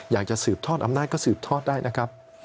อยากจะสืบทอดอำนาจก็สืบทอดได้นะครับ